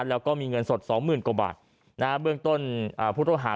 แล้วก็มีเงินสดสองหมื่นกว่าบาทนะฮะเบื้องต้นผู้ต้องหา